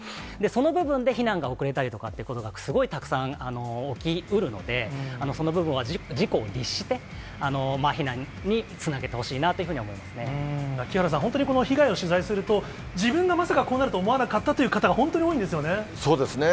その部分で避難が遅れたりとかっていうことがすごいたくさん起きうるので、その部分は自己を律して、避難につなげてほしいなとい木原さん、本当に被害を取材すると、自分がまさか、こうなるとは思わなかったという方が本当そうですね。